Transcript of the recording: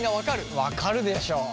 分かるでしょ！